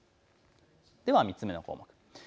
では３つ目の項目です。